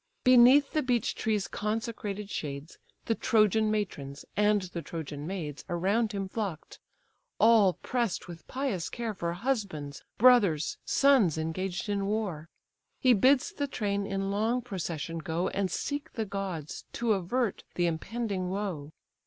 Beneath the beech tree's consecrated shades, The Trojan matrons and the Trojan maids Around him flock'd, all press'd with pious care For husbands, brothers, sons, engaged in war. He bids the train in long procession go, And seek the gods, to avert the impending woe.